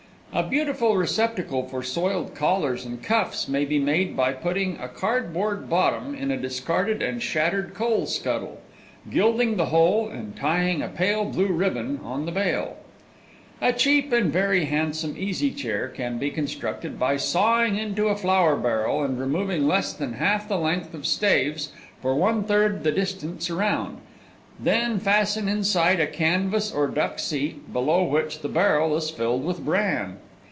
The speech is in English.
A beautiful receptacle for soiled collars and cuffs may be made by putting a cardboard bottom in a discarded and shattered coal scuttle, gilding the whole and tying a pale blue ribbon on the bail. A cheap and very handsome easy chair can be constructed by sawing into a flour barrel and removing less than half the length of staves for one third the distance around, then fasten inside a canvas or duck seat, below which the barrel is filled with bran.